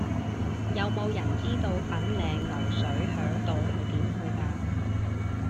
有無人知道粉嶺流水響道係點去㗎